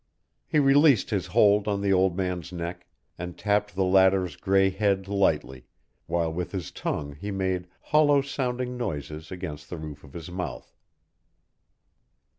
He released his hold on the old man's neck and tapped the latter's gray head lightly, while with his tongue he made hollow sounding noises against the roof of his mouth.